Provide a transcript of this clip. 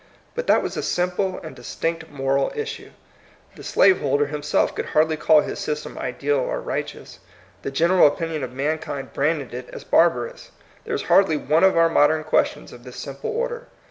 But that was a simple and distinct moral is sue. The slaveholder himself could hardly call his system ideal or righteous. The general opinion of mankind branded it as barbarous. There is hardly one of our modern questions of this simple order.